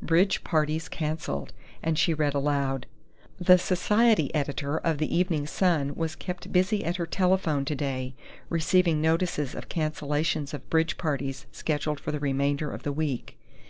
"'Bridge Parties Cancelled'," she read aloud. "'The society editor of The Evening Sun was kept busy at her telephone today, receiving notices of cancellations of bridge parties scheduled for the remainder of the week.